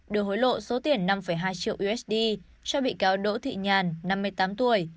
đưa hối lộ số tiền năm hai triệu usd cho bị cáo đỗ thị nhàn năm mươi tám tuổi